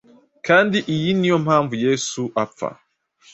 Kandi iyi niyo mpamvu Yesu apfa.